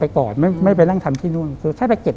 ก่อนไม่ไม่ไปนั่งทำที่นู่นคือแค่ไปเก็บ